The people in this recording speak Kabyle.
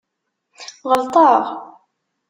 Ɣelṭeɣ?